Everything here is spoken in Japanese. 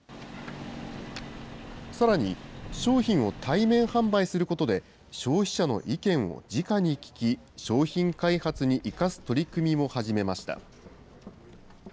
さらに、商品を対面販売することで、消費者の意見をじかに聞き、商品開発に生かす取り組みも始めました。